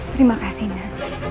terima kasih nda